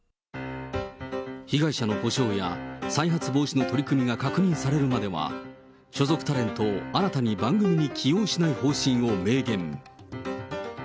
被害者の補償や再発防止の取り組みが確認されるまでは、所属タレントを新たに番組に起用しない方針を明言。